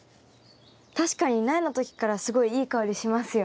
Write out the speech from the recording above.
確かに苗の時からすごいいい香りしますよね。